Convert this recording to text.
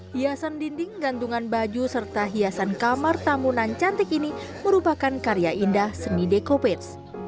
hiasan dinding gantungan baju serta hiasan kamar tamunan cantik ini merupakan karya indah seni deco pats